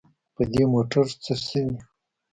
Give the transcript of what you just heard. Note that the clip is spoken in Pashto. په دې موټر څه شوي.